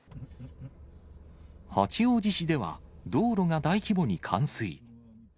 八王子市では、道路が大規模に冠水。